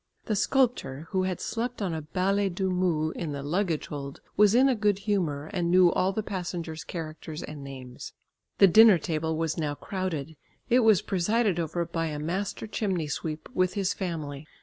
The sculptor, who had slept on a bale do mu in the luggage hold, was in a good humour and knew all the passengers' characters and names. The dinner table was now crowded. It was presided over by a master chimney sweep with his family.